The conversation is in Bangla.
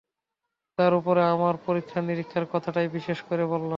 তার ওপরে আমার পরীক্ষানিরীক্ষার কথাটাই বিশেষ করে বললাম।